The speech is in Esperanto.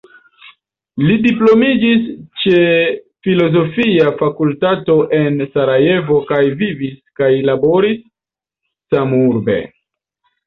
Li diplomitiĝis ĉe filozofia fakultato en Sarajevo kaj vivis kaj laboris samurbe.